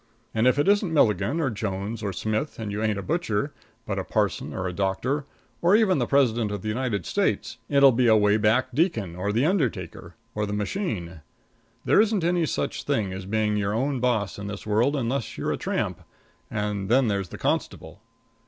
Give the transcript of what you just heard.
And if it isn't Milligan or Jones or Smith, and you ain't a butcher, but a parson or a doctor, or even the President of the United States, it'll be a way back deacon, or the undertaker, or the machine. There isn't any such thing as being your own boss in this world unless you're a tramp, and then there's the constable.